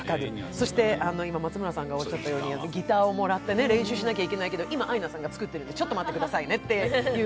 そして、今、松村さんがおっしゃったように、ギターをもらって練習しなきゃいけないけど、今、アイナさんが作っているのでちょっと待ってくださいねっていう。